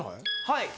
はい。